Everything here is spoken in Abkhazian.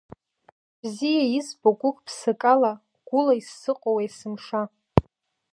Бзиа избо гәык-ԥсыкала, гәыла исзыҟоу есымша.